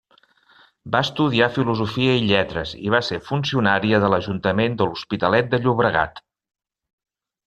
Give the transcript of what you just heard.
Va estudiar Filosofia i Lletres i va ser funcionària de l'Ajuntament de l'Hospitalet de Llobregat.